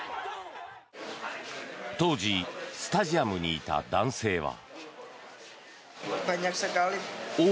当時スタジアムにいた男性は。